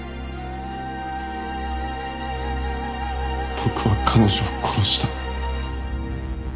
僕は彼女を殺した。